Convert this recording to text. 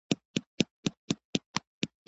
چې موږ ژوند ته له اوله پیدا نه وو